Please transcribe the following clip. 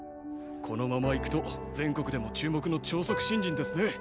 このままいくと全国でも注目の超速新人ですね。